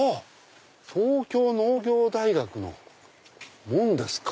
東京農業大学の門ですか。